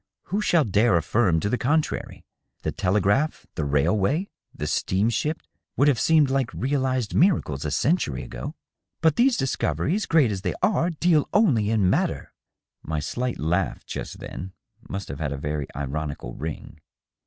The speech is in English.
Who shall dare affirm to the contrary ? The telegraph, the railway, the steamship, would have seemed like realized miracles a century ago." " But these discoveries, great as they are, deal only in matter." My slight laugh, just then, must have had a very ironical ring.